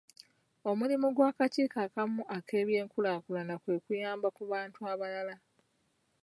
Omulimu gw'akakiiko ak'awamu ak'ebyenkulaakulana kwe kuyamba ku bantu abalala.